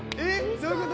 どういうこと？